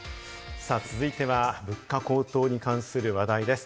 続いては、物価高騰に関する話題です。